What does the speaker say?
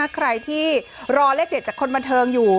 ใครที่รอเลขเด็ดจากคนบันเทิงอยู่